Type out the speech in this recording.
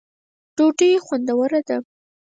ډوډۍ خوندوره ده.